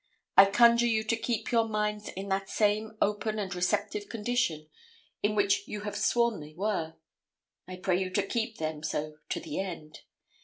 I conjure you to keep your minds in that same open and receptive condition in which you have sworn they were; I pray you to keep them so to the end.